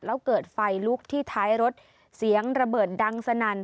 แล้วเกิดไฟลุกที่ท้ายรถเสียงระเบิดดังสนั่น